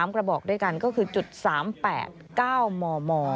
๓กระบอกด้วยกันก็คือจุด๓๘ก้าวมม